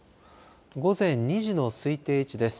午前２時の推定位置です。